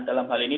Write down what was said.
dalam hal ini